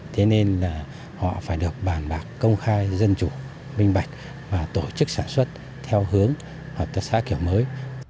thế nên là họ phải được bàn bạc công khai dân chủ minh bạch và tổ chức sản xuất theo hướng hợp tác xã kiểu mới